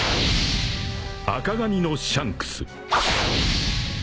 ［赤髪のシャンクス］